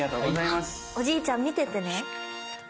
おじいちゃん見ててね。